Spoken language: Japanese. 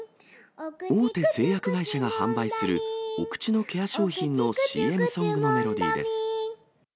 大手製薬会社が販売する、お口のケア商品のＣＭソングのメロディーです。